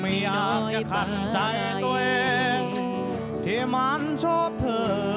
ไม่อยากจะขัดใจตัวเองที่มันชอบเธอ